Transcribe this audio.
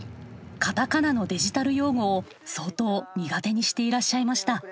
カタカナのデジタル用語を相当苦手にしていらっしゃいました。